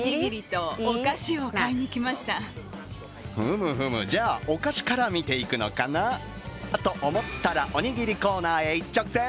ふむふむ、じゃあ、お菓子から見ていくのかな？と思ったら、おにぎりコーナーへ一直線。